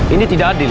ini tidak adil